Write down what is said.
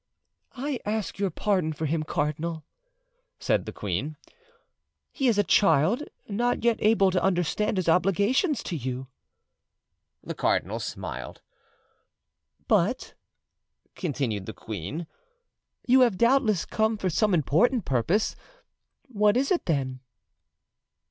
"I ask your pardon for him, cardinal," said the queen; "he is a child, not yet able to understand his obligations to you." The cardinal smiled. "But," continued the queen, "you have doubtless come for some important purpose. What is it, then?"